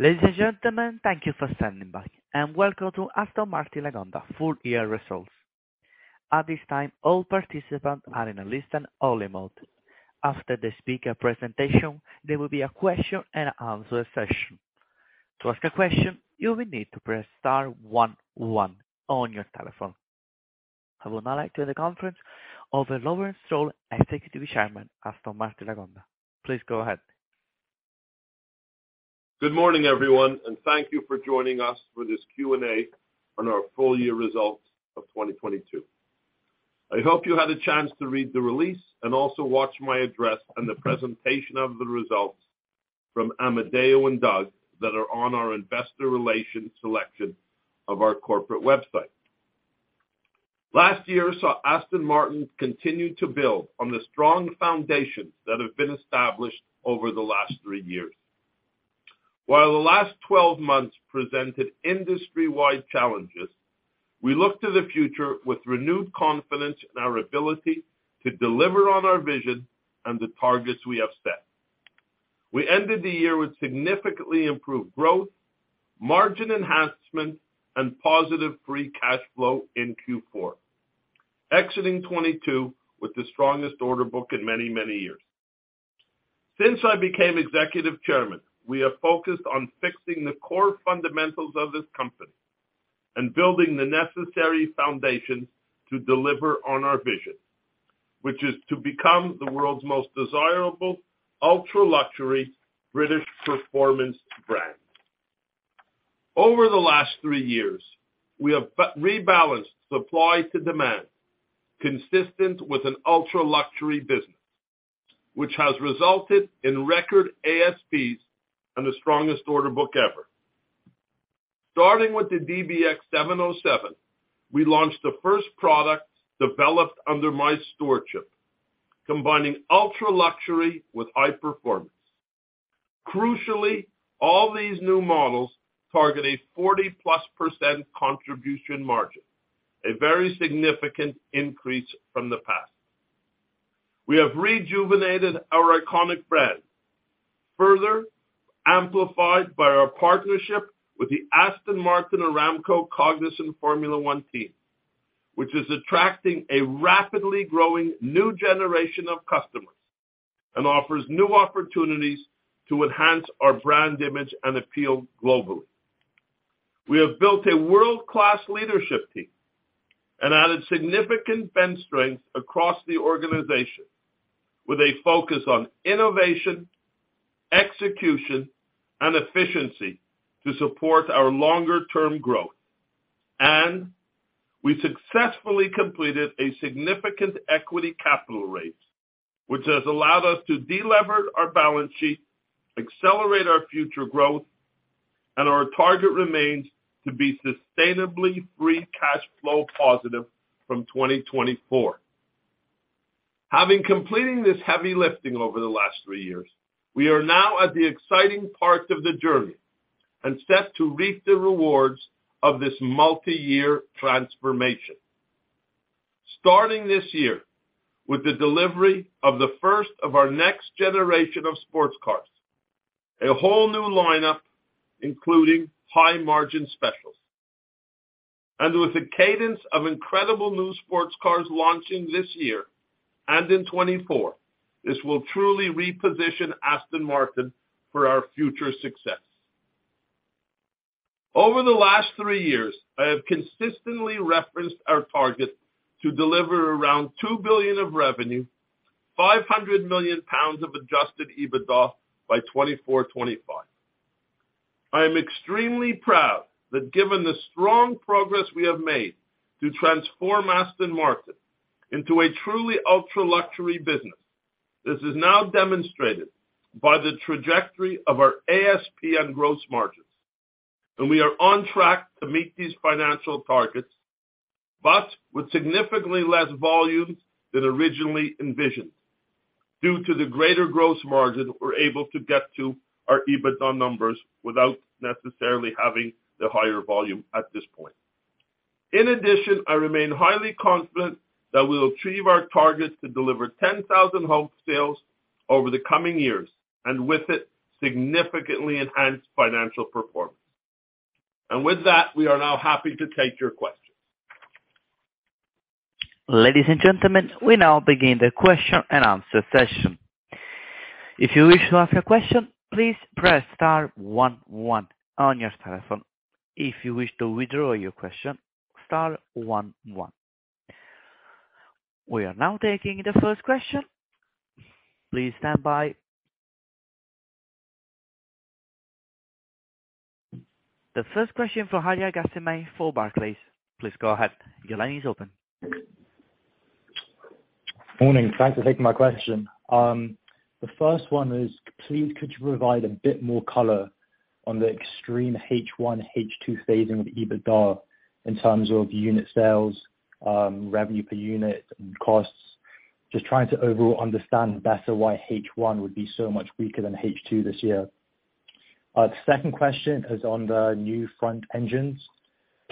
Ladies and gentlemen, thank you for standing by, and welcome to Aston Martin Lagonda full year results. At this time, all participants are in a listen-only mode. After the speaker presentation, there will be a question and answer session. To ask a question, you will need to press star one one on your telephone. I would now like to hand the conference over to Lawrence Stroll, Executive Chairman, Aston Martin Lagonda. Please go ahead. Good morning, everyone, thank you for joining us for this Q&A on our full year results of 2022. I hope you had a chance to read the release and also watch my address and the presentation of the results from Amedeo and Doug that are on our investor relations section of our corporate website. Last year saw Aston Martin continue to build on the strong foundations that have been established over the last three years. While the last 12 months presented industry-wide challenges, we look to the future with renewed confidence in our ability to deliver on our vision and the targets we have set. We ended the year with significantly improved growth, margin enhancement and positive free cash flow in Q4, exiting 2022 with the strongest order book in many, many years. Since I became Executive Chairman, we have focused on fixing the core fundamentals of this company and building the necessary foundations to deliver on our vision, which is to become the world's most desirable ultra-luxury British performance brand. Over the last three years, we have rebalanced supply to demand, consistent with an ultra-luxury business, which has resulted in record ASPs and the strongest order book ever. Starting with the DBX707, we launched the first product developed under my stewardship, combining ultra-luxury with high performance. Crucially, all these new models target a 40%+ contribution margin, a very significant increase from the past. We have rejuvenated our iconic brand, further amplified by our partnership with the Aston Martin Aramco Cognizant Formula 1 Team, which is attracting a rapidly growing new generation of customers and offers new opportunities to enhance our brand image and appeal globally. We have built a world-class leadership team and added significant bench strength across the organization with a focus on innovation, execution, and efficiency to support our longer-term growth. We successfully completed a significant equity capital raise, which has allowed us to delever our balance sheet, accelerate our future growth, and our target remains to be sustainably free cash flow positive from 2024. Having completing this heavy lifting over the last three years, we are now at the exciting part of the journey and set to reap the rewards of this multi-year transformation. Starting this year, with the delivery of the first of our next generation of sports cars, a whole new lineup, including high-margin specials. With a cadence of incredible new sports cars launching this year and in 2024, this will truly reposition Aston Martin for our future success. Over the last three years, I have consistently referenced our target to deliver around 2 billion of revenue, 500 million pounds of adjusted EBITDA by 2024, 2025. I am extremely proud that given the strong progress we have made to transform Aston Martin into a truly ultra-luxury business, this is now demonstrated by the trajectory of our ASP and gross margins. We are on track to meet these financial targets, but with significantly less volumes than originally envisioned. Due to the greater gross margin, we're able to get to our EBITDA numbers without necessarily having the higher volume at this point. In addition, I remain highly confident that we'll achieve our targets to deliver 10,000 whole sales over the coming years, and with it, significantly enhanced financial performance. With that, we are now happy to take your questions. Ladies and gentlemen, we now begin the question and answer session. If you wish to ask a question, please press star one one on your telephone. If you wish to withdraw your question, star one one. We are now taking the first question. Please stand by. The first question from Henning Cosman for Barclays. Please go ahead. Your line is open. Morning. Thanks for taking my question. The first one is, please could you provide a bit more color on the extreme H1, H2 phasing of EBITDA in terms of unit sales, revenue per unit, and costs? Just trying to overall understand better why H1 would be so much weaker than H2 this year. The second question is on the new front engines.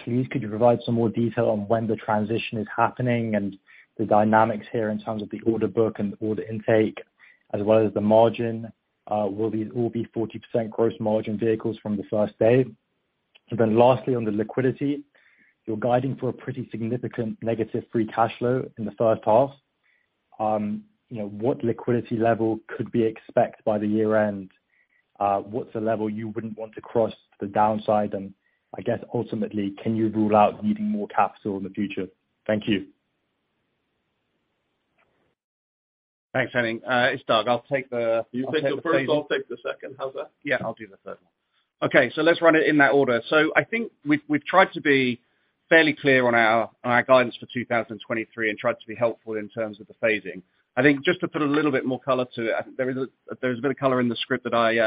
Please could you provide some more detail on when the transition is happening and the dynamics here in terms of the order book and order intake, as well as the margin, will these all be 40% gross margin vehicles from the first day? Lastly, on the liquidity, you're guiding for a pretty significant negative free cash flow in the first half. you know, what liquidity level could we expect by the year end? What's the level you wouldn't want to cross the downside? I guess ultimately, can you rule out needing more capital in the future? Thank you. Thanks, Henning. It's Doug. You take the first, I'll take the second. How's that? Yeah, I'll do the first one. Let's run it in that order. I think we've tried to be fairly clear on our guidance for 2023 and tried to be helpful in terms of the phasing. I think just to put a little bit more color to it, I think there is a bit of color in the script that I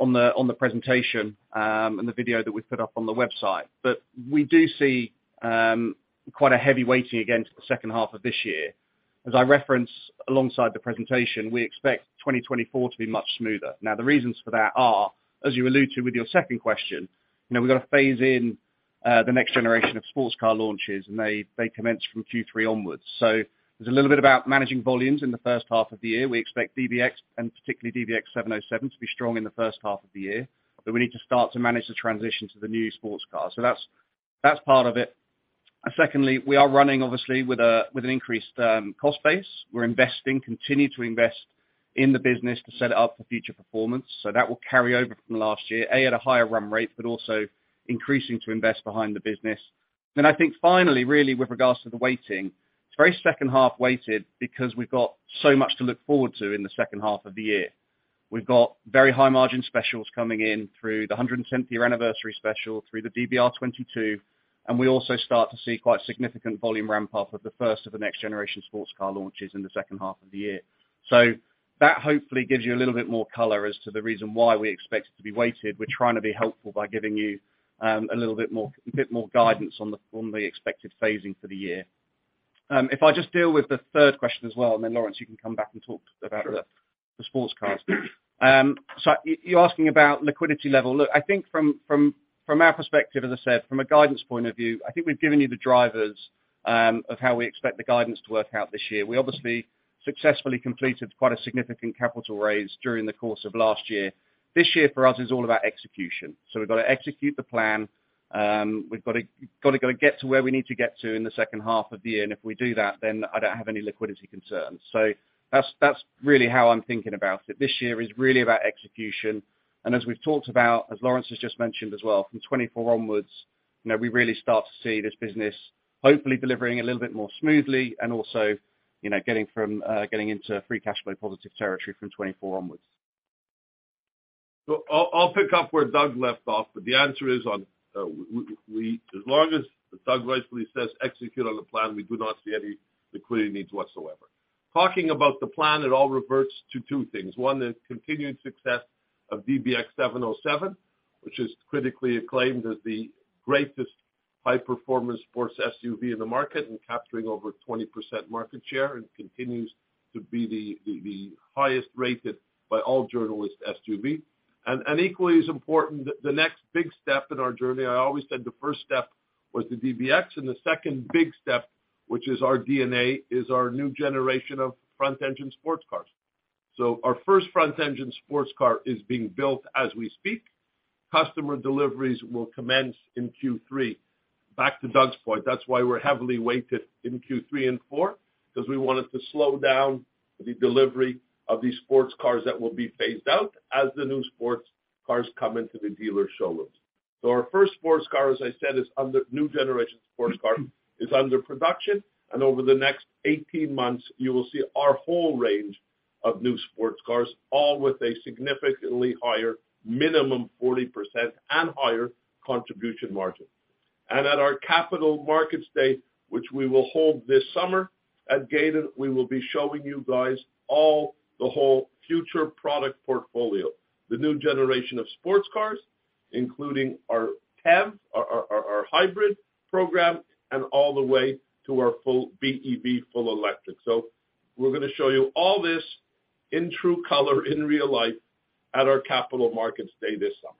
on the presentation and the video that we put up on the website. We do see quite a heavy weighting again to the second half of this year. As I reference alongside the presentation, we expect 2024 to be much smoother. The reasons for that are, as you allude to with your second question, you know, we've got to phase in the next generation of sports car launches and they commence from Q3 onwards. There's a little bit about managing volumes in the first half of the year. We expect DBX and particularly DBX707 to be strong in the first half of the year, but we need to start to manage the transition to the new sports cars. That's part of it. Secondly, we are running obviously with an increased cost base. We're investing, continue to invest in the business to set it up for future performance. That will carry over from last year, A, at a higher run rate, but also increasing to invest behind the business. I think finally, really with regards to the weighting, it's very second half weighted because we've got so much to look forward to in the second half of the year. We've got very high margin specials coming in through the 110th year anniversary special, through the DBR22, and we also start to see quite significant volume ramp up of the first of the next generation sports car launches in the second half of the year. That hopefully gives you a little bit more color as to the reason why we expect it to be weighted. We're trying to be helpful by giving you a bit more guidance on the expected phasing for the year. If I just deal with the third question as well, and then Lawrence, you can come back and talk about the sports cars. You're asking about liquidity level. Look, I think from our perspective, as I said, from a guidance point of view, I think we've given you the drivers of how we expect the guidance to work out this year. We obviously successfully completed quite a significant capital raise during the course of last year. This year for us is all about execution. We've got to execute the plan. We've got to go get to where we need to get to in the second half of the year. If we do that, then I don't have any liquidity concerns. That's, that's really how I'm thinking about it. This year is really about execution. As we've talked about, as Lawrence has just mentioned as well, from 2024 onwards, you know, we really start to see this business hopefully delivering a little bit more smoothly and also, you know, getting into free cash flow positive territory from 2024 onwards. I'll pick up where Doug left off, but the answer is on, as long as Doug rightfully says, execute on the plan, we do not see any liquidity needs whatsoever. Talking about the plan, it all reverts to two things. One is continued success of DBX707, which is critically acclaimed as the greatest high-performance sports SUV in the market and capturing over 20% market share and continues to be the highest rated by all journalists SUV. Equally as important, the next big step in our journey, I always said the first step was the DBX and the second big step, which is our DNA, is our new generation of front engine sports cars. Our first front engine sports car is being built as we speak. Customer deliveries will commence in Q3. Back to Doug's point, that's why we're heavily weighted in Q3 and Q4, because we wanted to slow down the delivery of these sports cars that will be phased out as the new sports cars come into the dealer showrooms. Our first sports car, as I said, is under new generation sports car, is under production. Over the next 18 months, you will see our whole range of new sports cars, all with a significantly higher minimum 40% and higher contribution margin. At our Capital Markets Day, which we will hold this summer at Gaydon, we will be showing you guys all the whole future product portfolio. The new generation of sports cars, including our PHEV, our hybrid program, and all the way to our full BEV full electric. We're gonna show you all this in true color, in real life at our Capital Markets Day this summer.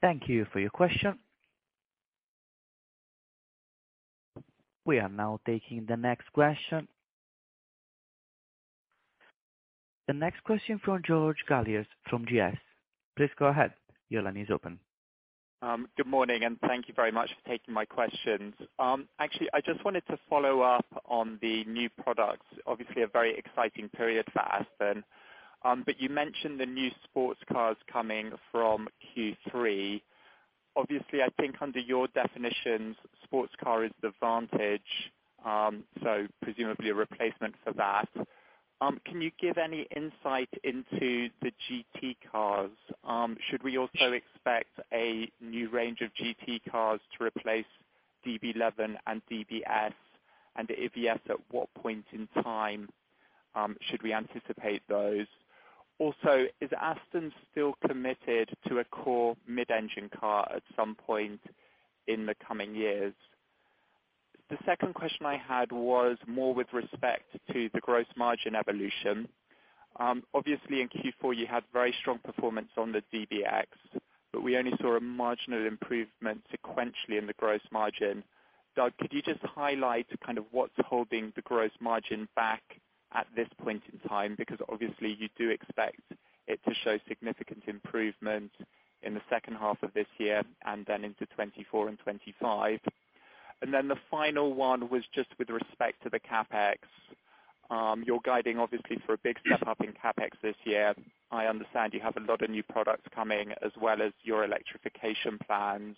Thank you for your question. We are now taking the next question. The next question from George Galliers from GS. Please go ahead. Your line is open. Good morning and thank you very much for taking my questions. Actually, I just wanted to follow up on the new products, obviously a very exciting period for Aston. You mentioned the new sports cars coming from Q3. Obviously, I think under your definitions, sports car is the Vantage, so presumably a replacement for that. Can you give any insight into the GT cars? Should we also expect a new range of GT cars to replace DB11 and DBS? If yes, at what point in time, should we anticipate those? Also, is Aston still committed to a core mid-engine car at some point in the coming years? The second question I had was more with respect to the gross margin evolution. Obviously in Q4, you had very strong performance on the DBX, we only saw a marginal improvement sequentially in the gross margin. Doug, could you just highlight kind of what's holding the gross margin back at this point in time? Obviously you do expect it to show significant improvement in the second half of this year and then into 2024 and 2025. The final one was just with respect to the CapEx. You're guiding obviously for a big step up in CapEx this year. I understand you have a lot of new products coming as well as your electrification plans.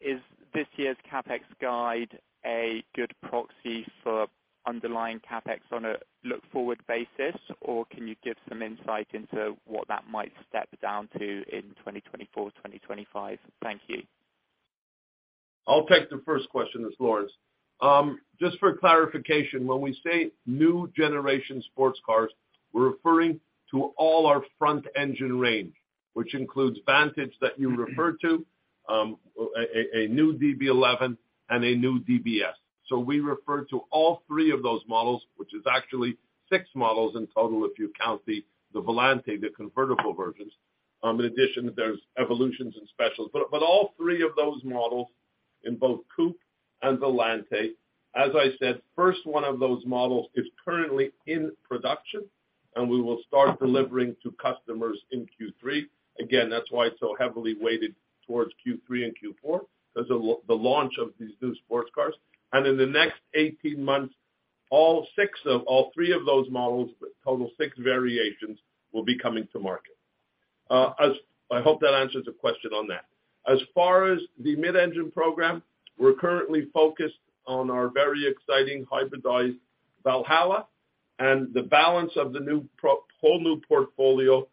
Is this year's CapEx guide a good proxy for underlying CapEx on a look-forward basis? Can you give some insight into what that might step down to in 2024, 2025? Thank you. I'll take the first question, it's Lawrence. Just for clarification, when we say new generation sports cars, we're referring to all our front engine range, which includes Vantage that you referred to, a new DB11 and a new DBS. We refer to all three of those models, which is actually six models in total, if you count the Volante, the convertible versions. In addition, there's evolutions and specials. All three of those models in both Coupe and Volante, as I said, first one of those models is currently in production, and we will start delivering to customers in Q3. Again, that's why it's so heavily weighted towards Q3 and Q4, 'cause of the launch of these new sports cars. In the next 18 months, all three of those models, total six variations, will be coming to market. I hope that answers the question on that. As far as the mid-engine program, we're currently focused on our very exciting hybridized Valhalla. The balance of the whole new portfolio,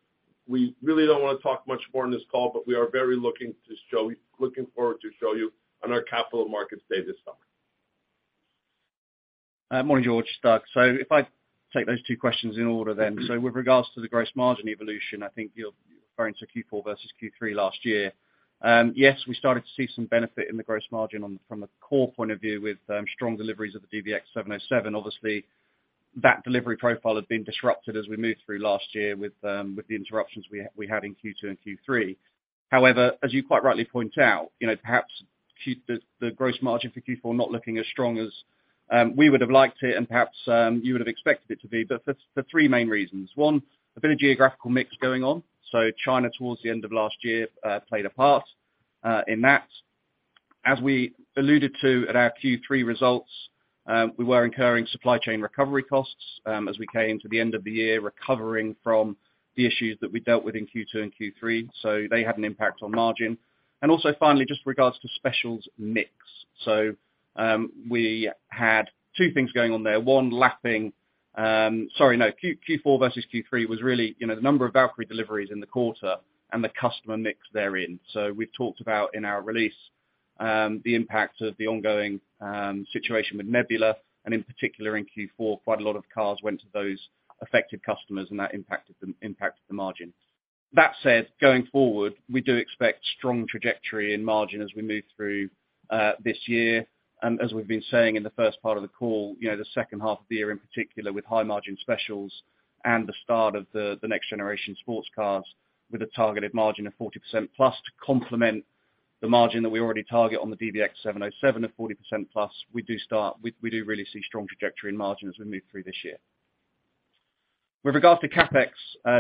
we really don't wanna talk much more on this call. We are very looking forward to show you on our Capital Markets Day this summer. Morning, George, Doug. If I take those two questions in order then. With regards to the gross margin evolution, I think you're referring to Q4 versus Q3 last year. Yes, we started to see some benefit in the gross margin on, from a core point of view with strong deliveries of the DBX707. Obviously, that delivery profile had been disrupted as we moved through last year with the interruptions we had in Q2 and Q3. However, as you quite rightly point out, you know, perhaps the gross margin for Q4 not looking as strong as we would have liked it and perhaps you would have expected it to be, but for three main reasons. One, a bit of geographical mix going on. China towards the end of last year played a part in that. As we alluded to at our Q3 results, we were incurring supply chain recovery costs as we came to the end of the year, recovering from the issues that we dealt with in Q2 and Q3. They had an impact on margin. Also finally, just regards to specials mix. We had two things going on there. One, lapping. Sorry, no. Q4 versus Q3 was really, you know, the number of Valkyrie deliveries in the quarter and the customer mix they're in. We've talked about, in our release, the impact of the ongoing situation with Nebula, and in particular in Q4, quite a lot of cars went to those affected customers and that impacted the margin. That said, going forward, we do expect strong trajectory in margin as we move through this year. As we've been saying in the first part of the call, you know, the second half of the year in particular with high margin specials and the start of the next generation sports cars with a targeted margin of 40%+ to complement the margin that we already target on the DBX707 of 40%+, we do really see strong trajectory in margin as we move through this year. With regards to CapEx,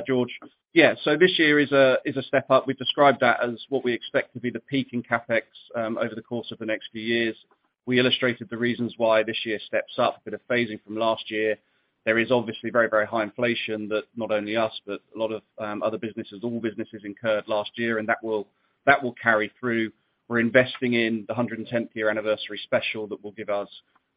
George, this year is a step up. We've described that as what we expect to be the peak in CapEx over the course of the next few years. We illustrated the reasons why this year steps up, a bit of phasing from last year. There is obviously very, very high inflation that not only us, but a lot of other businesses, all businesses incurred last year, and that will carry through. We're investing in the 110th year anniversary special that will give us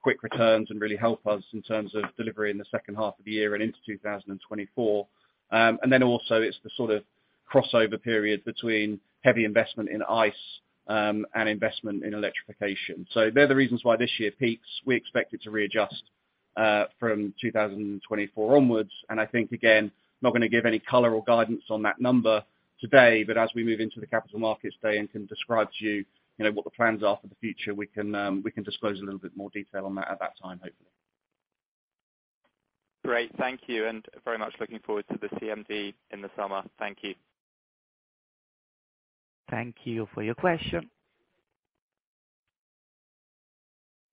quick returns and really help us in terms of delivery in the second half of the year and into 2024. It's also the sort of crossover period between heavy investment in ICE and investment in electrification. They're the reasons why this year peaks. We expect it to readjust from 2024 onwards. I think again, not gonna give any color or guidance on that number today, but as we move into the Capital Markets Day and can describe to you know, what the plans are for the future, we can disclose a little bit more detail on that at that time, hopefully. Great. Thank you. Very much looking forward to the CMD in the summer. Thank you. Thank you for your question.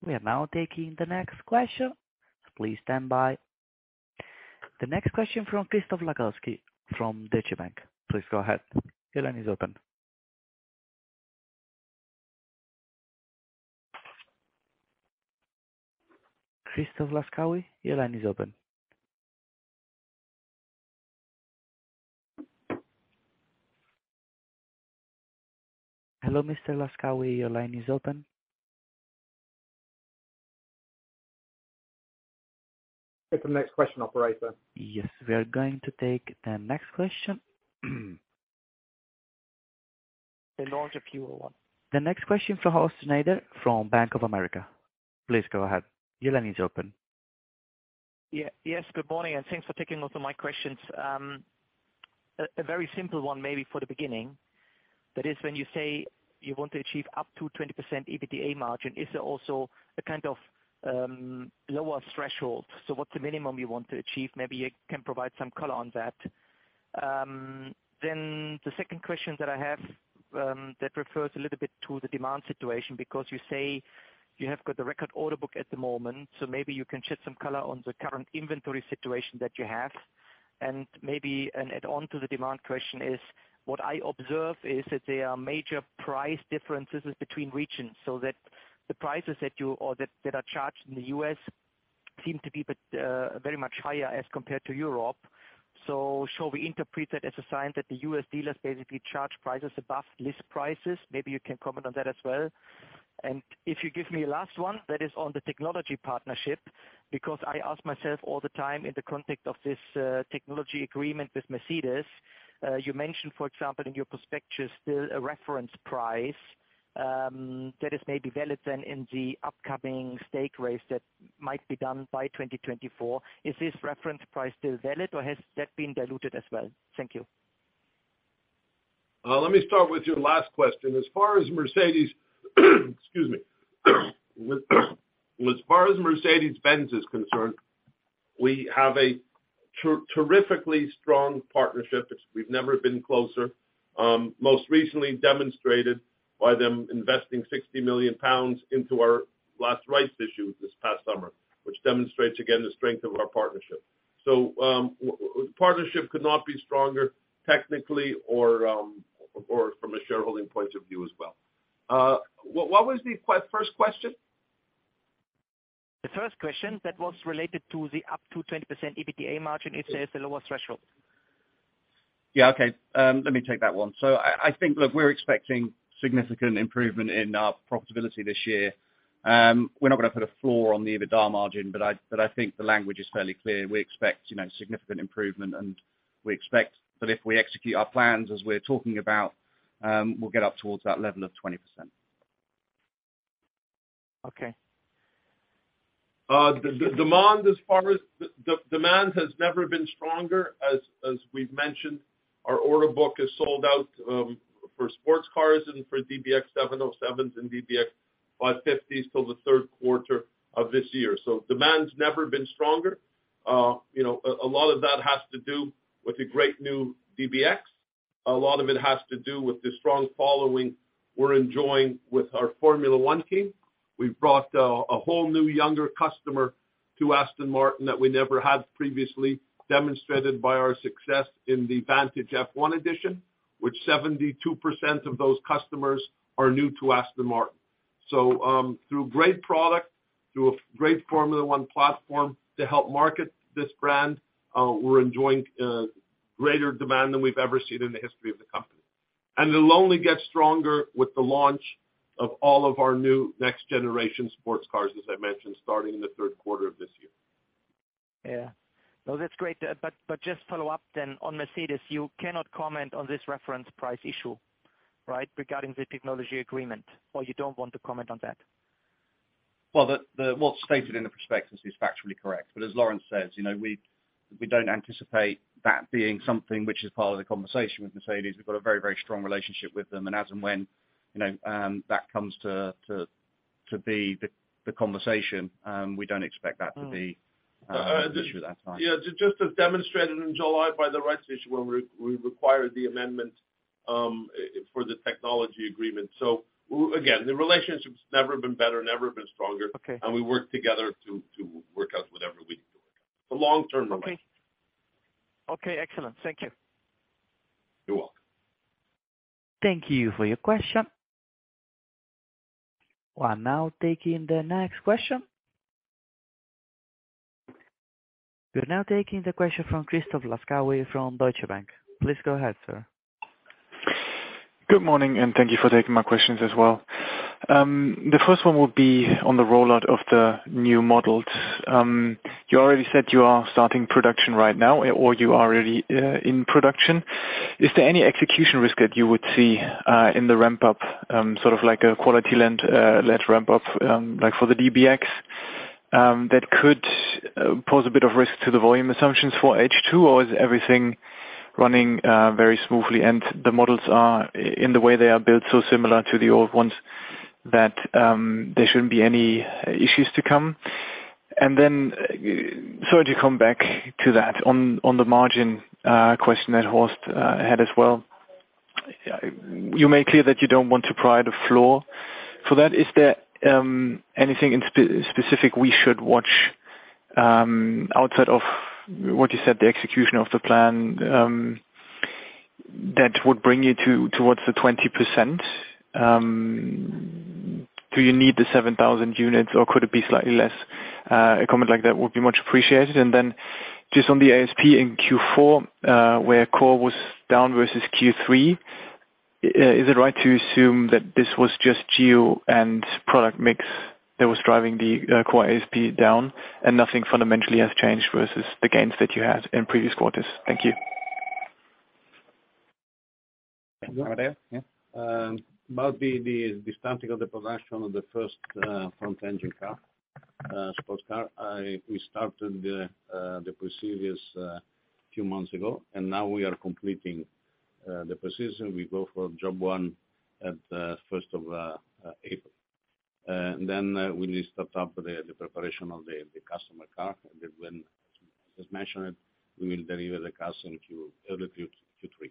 We are now taking the next question. Please stand by. The next question from Christoph Laskawi from Deutsche Bank. Please go ahead. Your line is open. Christoph Laskawi, your line is open. Hello, Mr. Laskawi, your line is open. Take the next question, operator. We are going to take the next question. The launch of Q1. The next question from Horst Schneider from Bank of America. Please go ahead. Your line is open. Yes, good morning, and thanks for taking most of my questions. A very simple one maybe for the beginning. That is when you say you want to achieve up to 20% EBITDA margin, is there also a kind of lower threshold? What's the minimum you want to achieve? Maybe you can provide some color on that. The second question that I have, that refers a little bit to the demand situation because you say you have got the record order book at the moment, so maybe you can shed some color on the current inventory situation that you have. Maybe an add-on to the demand question is, what I observe is that there are major price differences between regions, so that the prices that you or that are charged in the U.S. seem to be very much higher as compared to Europe. Should we interpret that as a sign that the U.S. dealers basically charge prices above list prices? Maybe you can comment on that as well. If you give me a last one, that is on the technology partnership, because I ask myself all the time in the context of this technology agreement with Mercedes-Benz, you mentioned, for example, in your prospectus still a reference price, that is maybe valid then in the upcoming stake race that might be done by 2024. Is this reference price still valid or has that been diluted as well? Thank you. Let me start with your last question. As far as Mercedes-Benz. As far as Mercedes-Benz is concerned, we have a terrifically strong partnership. We've never been closer, most recently demonstrated by them investing 60 million pounds into our last rights issue this past summer, which demonstrates again the strength of our partnership. Partnership could not be stronger technically or from a shareholding point of view as well. What was the first question? The first question that was related to the up to 20% EBITDA margin is the lower threshold. Yeah, okay. Let me take that one. I think, look, we're expecting significant improvement in our profitability this year. We're not gonna put a floor on the EBITDA margin, but I, but I think the language is fairly clear. We expect, you know, significant improvement, and we expect that if we execute our plans as we're talking about, we'll get up towards that level of 20%. Okay. The demand has never been stronger as we've mentioned. Our order book is sold out for sports cars and for DBX707s and DBX550s till the third quarter of this year. Demand's never been stronger. You know, a lot of that has to do with the great new DBX. A lot of it has to do with the strong following we're enjoying with our Formula 1 Team. We've brought a whole new younger customer to Aston Martin that we never had previously, demonstrated by our success in the Vantage F1 Edition, which 72% of those customers are new to Aston Martin. Through great product, through a great Formula 1 platform to help market this brand, we're enjoying greater demand than we've ever seen in the history of the company. It'll only get stronger with the launch of all of our new next generation sports cars, as I mentioned, starting in the third quarter of this year. Yeah. No, that's great. just follow up then on Mercedes-Benz, you cannot comment on this reference price issue, right, regarding the technology agreement, or you don't want to comment on that? Well, what's stated in the prospectus is factually correct. As Lawrence says, you know, we don't anticipate that being something which is part of the conversation with Mercedes-Benz. We've got a very strong relationship with them. As and when, you know, that comes to be the conversation, we don't expect that to be. Mm. An issue at that time. Yeah. Just as demonstrated in July by the rights issue when we required the amendment for the technology agreement. Again, the relationship's never been better, never been stronger. Okay. We work together to work out whatever we need to work out. It's a long-term relationship. Okay. Okay, excellent. Thank you. You're welcome. Thank you for your question. We're now taking the next question. We're now taking the question from Christoph Laskawi from Deutsche Bank. Please go ahead, sir. Good morning, thank you for taking my questions as well. The first one will be on the rollout of the new models. You already said you are starting production right now or you are already in production. Is there any execution risk that you would see in the ramp up, sort of like a quality land-led ramp up, like for the DBX, that could pose a bit of risk to the volume assumptions for H2, or is everything running very smoothly and the models are in the way they are built so similar to the old ones that there shouldn't be any issues to come? Sorry to come back to that, on the margin question that Horst had as well. You made clear that you don't want to provide a floor for that. Is there anything specific we should watch, outside of what you said, the execution of the plan, that would bring you towards the 20%? Do you need the 7,000 units or could it be slightly less? A comment like that would be much appreciated. Just on the ASP in Q4, where core was down versus Q3, is it right to assume that this was just geo and product mix? That was driving the core ASP down and nothing fundamentally has changed versus the gains that you had in previous quarters. Thank you. Amedeo? Yeah. About the starting of the production of the first front engine car, sports car. We started the procedures a few months ago. Now we are completing the procedure. We go for job one at first of April. Then we start up the preparation of the customer car that when, as mentioned, we will deliver the cars in early Q3.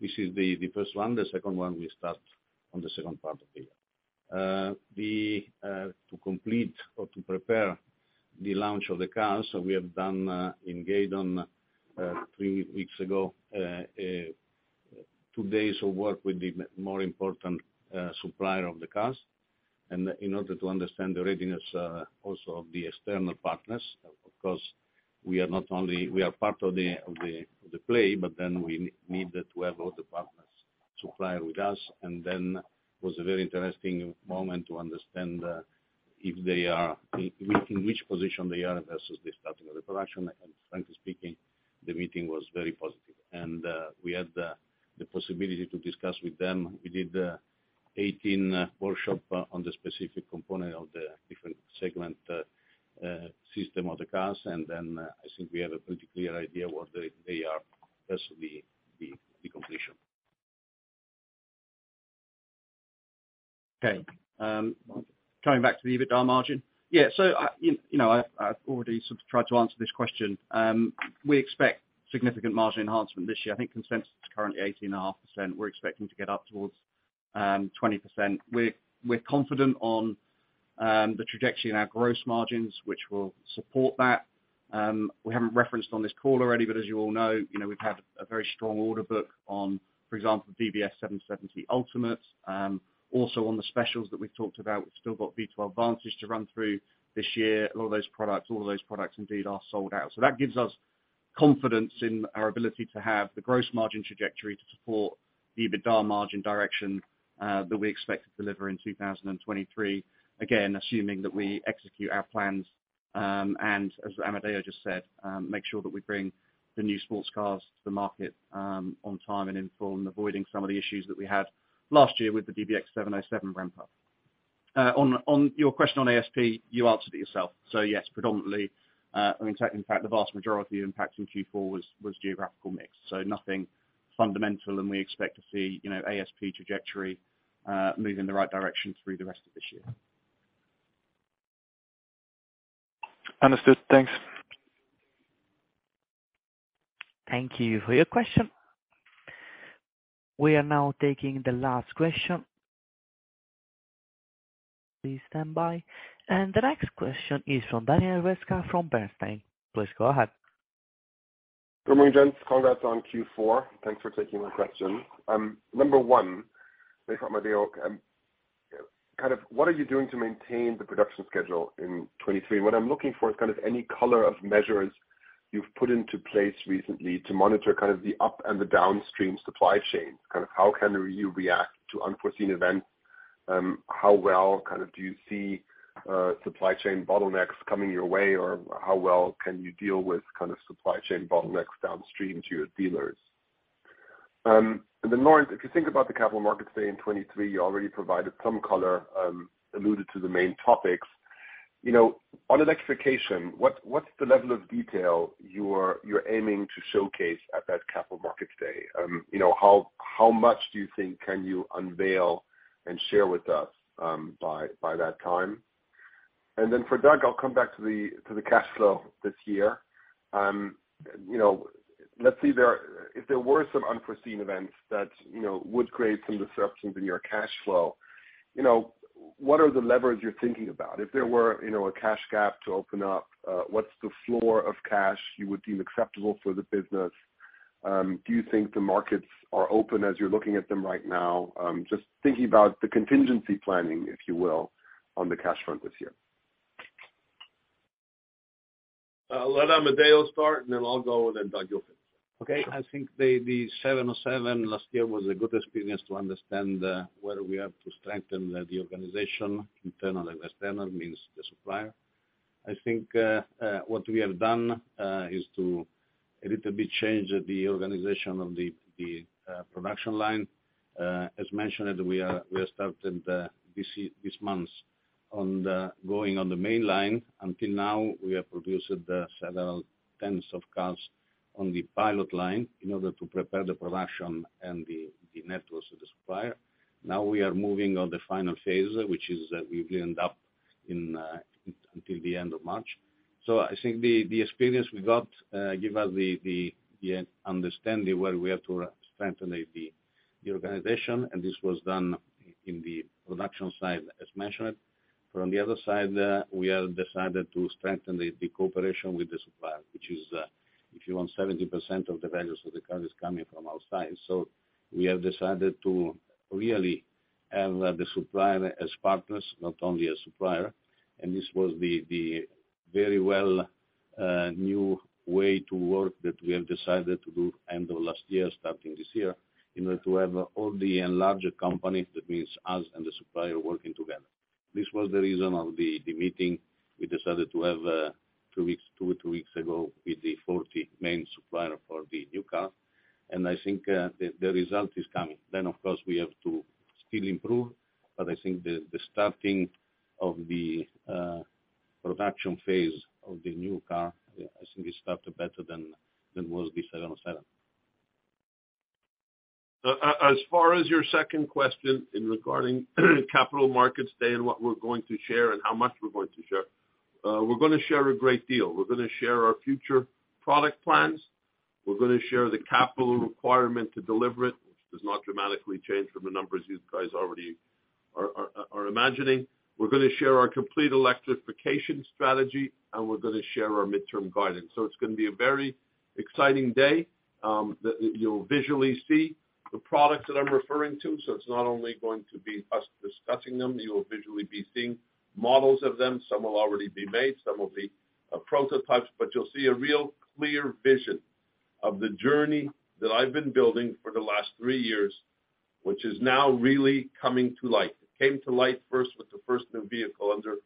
This is the first one. The second one we start on the second part of the year. To complete or to prepare the launch of the cars, so we have done engaged on three weeks ago, two days of work with the more important supplier of the cars. In order to understand the readiness, also of the external partners, because we are not only we are part of the play, but then we need to have all the partners supplier with us. It was a very interesting moment to understand if they are in which position they are versus the starting of the production. Frankly speaking, the meeting was very positive and we had the possibility to discuss with them. We did 18 workshop on the specific component of the different segment, system of the cars. I think we had a pretty clear idea where they are versus the completion. Coming back to the EBITDA margin. You know, I've already sort of tried to answer this question. We expect significant margin enhancement this year. I think consensus is currently 18.5%. We're expecting to get up towards 20%. We're confident on the trajectory in our gross margins, which will support that. We haven't referenced on this call already, but as you all know, you know, we've had a very strong order book on, for example, DBS 770 Ultimates. Also on the specials that we've talked about, we've still got V12 Vantages to run through this year. A lot of those products, all of those products indeed are sold out. That gives us confidence in our ability to have the gross margin trajectory to support the EBITDA margin direction that we expect to deliver in 2023. Again, assuming that we execute our plans, and as Amedeo just said, make sure that we bring the new sports cars to the market on time and in full, and avoiding some of the issues that we had last year with the DBX707 ramp up. On your question on ASP, you answered it yourself. Yes, predominantly, I mean, in fact, the vast majority of the impact in Q4 was geographical mix, so nothing fundamental. We expect to see, you know, ASP trajectory move in the right direction through the rest of this year. Understood. Thanks. Thank you for your question. We are now taking the last question. Please stand by. The next question is from Daniel Roeska from Bernstein. Please go ahead. Good morning, gents. Congrats on Q4. Thanks for taking my question. Number one, maybe for Amedeo, kind of what are you doing to maintain the production schedule in 2023? What I'm looking for is kind of any color of measures you've put into place recently to monitor kind of the up and the downstream supply chain, kind of how can you react to unforeseen events? How well kind of do you see supply chain bottlenecks coming your way? How well can you deal with kind of supply chain bottlenecks downstream to your dealers? Lawrence, if you think about the Capital Markets Day in 2023, you already provided some color, alluded to the main topics. You know, on electrification, what's the level of detail you're aiming to showcase at that Capital Markets Day? You know, how much do you think can you unveil and share with us by that time? For Doug, I'll come back to the cash flow this year. You know, let's say there, if there were some unforeseen events that, you know, would create some disruptions in your cash flow, you know, what are the levers you're thinking about? If there were, you know, a cash gap to open up, what's the floor of cash you would deem acceptable for the business? Do you think the markets are open as you're looking at them right now? Just thinking about the contingency planning, if you will, on the cash front this year. Let Amedeo start, and then I'll go, and then Doug, you'll finish. Okay. I think the DBX707 last year was a good experience to understand where we have to strengthen the organization internal and external, means the supplier. I think what we have done is to a little bit change the organization of the production line. As mentioned, we have started this month on the, going on the main line. Until now, we have produced several tens of cars on the pilot line in order to prepare the production and the networks of the supplier. Now we are moving on the final phase, which is we will end up in until the end of March. I think the experience we got, give us the, the understanding where we have to strengthen the organization, and this was done in the production side, as mentioned. From the other side, we have decided to strengthen the cooperation with the supplier, which is, if you want 70% of the values of the car is coming from outside. We have decided to really have the supplier as partners, not only a supplier. This was the very well new way to work that we have decided to do end of last year, starting this year, in order to have all the enlarged companies, that means us and the supplier working together. This was the reason of the meeting we decided to have, two weeks ago with the 40 main supplier for the new car. I think the result is coming. Of course, we have to still improve, but I think the starting of the production phase of the new car, I think it started better than was the 707. As far as your second question in regarding Capital Markets Day and what we're going to share and how much we're going to share, we're gonna share a great deal. We're gonna share our future product plans. We're gonna share the capital requirement to deliver it. This does not dramatically change from the numbers you guys already are imagining. We're gonna share our complete electrification strategy, and we're gonna share our midterm guidance. It's gonna be a very exciting day that you'll visually see the products that I'm referring to. It's not only going to be us discussing them, you will visually be seeing models of them. Some will already be made, some will be prototypes, but you'll see a real clear vision of the journey that I've been building for the last three years, which is now really coming to light. It came to light first with the first new vehicle under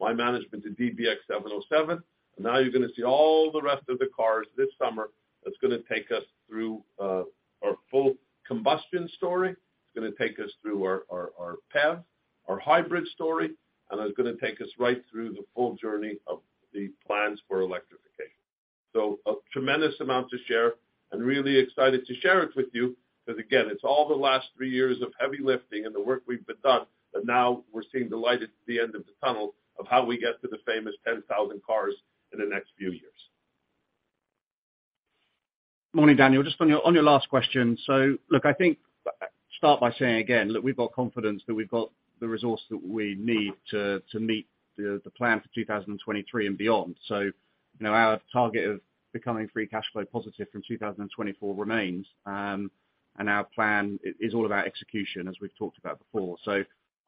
my management, the DBX707. Now you're gonna see all the rest of the cars this summer. That's gonna take us through our full combustion story. It's gonna take us through our, our PHEV, our hybrid story, and it's gonna take us right through the full journey of the plans for electrification. A tremendous amount to share, and really excited to share it with you because again, it's all the last three years of heavy lifting and the work we've done, but now we're seeing the light at the end of the tunnel of how we get to the famous 10,000 cars in the next few years. Morning, Daniel. Just on your last question. Look, I think start by saying again that we've got confidence that we've got the resource that we need to meet the plan for 2023 and beyond. Our target of becoming free cash flow positive from 2024 remains. Our plan is all about execution, as we've talked about before.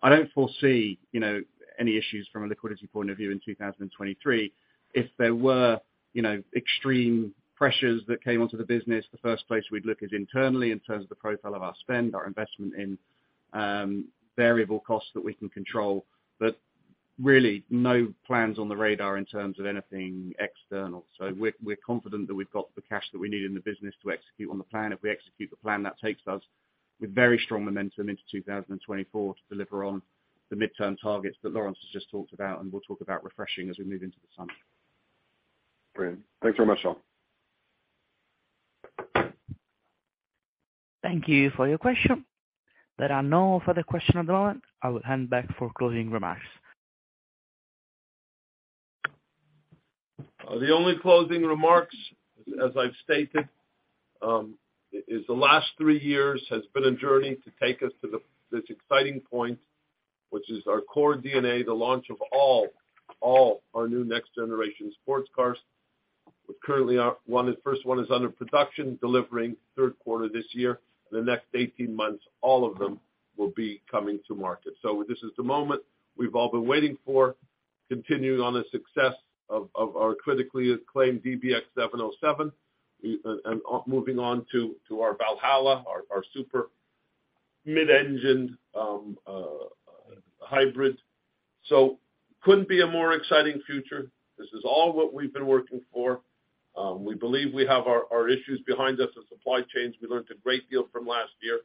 I don't foresee, you know, any issues from a liquidity point of view in 2023. If there were, you know, extreme pressures that came onto the business, the first place we'd look is internally in terms of the profile of our spend, our investment in variable costs that we can control. Really no plans on the radar in terms of anything external. We're confident that we've got the cash that we need in the business to execute on the plan. If we execute the plan, that takes us with very strong momentum into 2024 to deliver on the midterm targets that Lawrence has just talked about, and we'll talk about refreshing as we move into the summer. Brilliant. Thanks very much, all. Thank you for your question. There are no further question at the moment. I will hand back for closing remarks. The only closing remarks, as I've stated, is the last three years has been a journey to take us to this exciting point, which is our core DNA, the launch of all our new next generation sports cars. With currently our first one is under production, delivering third quarter this year. The next 18 months, all of them will be coming to market. This is the moment we've all been waiting for, continuing on the success of our critically acclaimed DBX707, and moving on to our Valhalla, our super mid-engined hybrid. Couldn't be a more exciting future. This is all what we've been working for. We believe we have our issues behind us with supply chains. We learned a great deal from last year.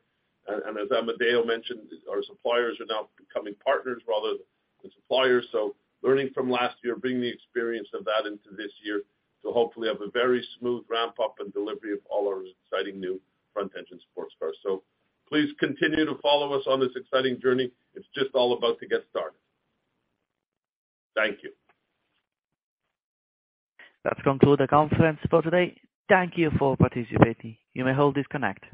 As Amedeo mentioned, our suppliers are now becoming partners rather than suppliers. Learning from last year, bringing the experience of that into this year to hopefully have a very smooth ramp-up and delivery of all our exciting new front-engine sports cars. Please continue to follow us on this exciting journey. It's just all about to get started. Thank you. That conclude the conference for today. Thank you for participating. You may all disconnect.